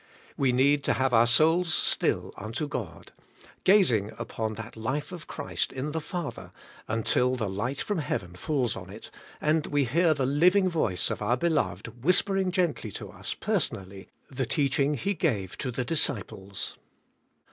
We need to have our souls still unto God, gazing upon that life of Christ in the Father until the light from heaven falls on it, and we hear the living voice of our Be loved whispering gently to us personally the teaching He gave to the disciples.